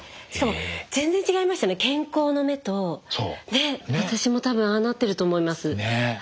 ね私も多分ああなってると思います。